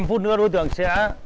năm phút nữa đối tượng sẽ